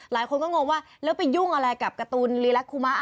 หลายคนก็งงว่าแล้วไปยุ่งอะไรกับการ์ตูนลีลักคุมะ